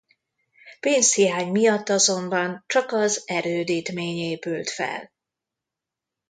Pénzhiány miatt azonban csak az erődítmény épült fel.